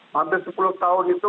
habis sepuluh tahun itu